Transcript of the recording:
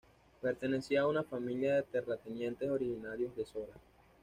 Pertenecía a una familia de terratenientes originarios de Sora.